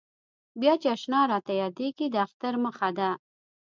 بیا چې اشنا راته یادېږي د اختر مخه ده.